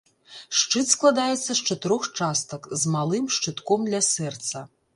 Шчыт складаецца з чатырох частак, з малым шчытком ля сэрца.